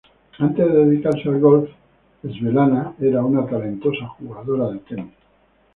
Antes de dedicarse al golf, Svetlana era una talentosa jugadora de tenis.